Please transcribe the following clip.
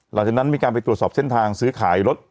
หลังจากนั้นมีการไปตรวจสอบเส้นทางซื้อขายรถ